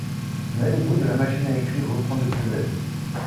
Mais le bruit de la machine à écrire reprend de plus belle...